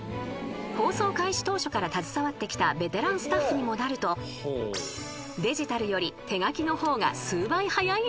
［放送開始当初から携わってきたベテランスタッフにもなるとデジタルより］